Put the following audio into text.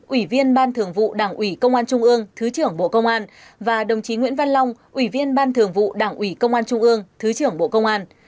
ủy viên ban thường vụ đảng ủy công an trung ương thứ trưởng bộ công an và đồng chí nguyễn văn long ủy viên ban thường vụ đảng ủy công an trung ương thứ trưởng bộ công an